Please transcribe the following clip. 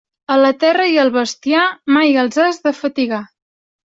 A la terra i al bestiar, mai els has de fatigar.